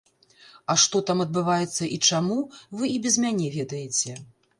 А што там адбываецца і чаму, вы і без мяне ведаеце.